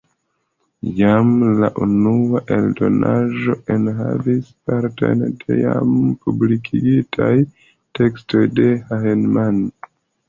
Jam la unua eldonaĵo enhavis partojn de jam publikigitaj tekstoj de Hahnemann.